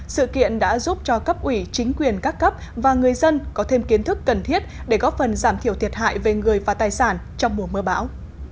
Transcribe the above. sự kiện đã giúp cho cấp ủy chính quyền các cấp và người dân có thêm kiến thức cần thiết để góp phần giảm thiểu thiệt hại về người và tài sản trong mùa mưa bão